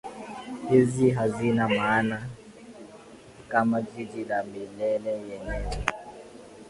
hizi hazina maana kama Jiji la Milele yenyewe